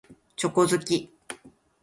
チョコ好き。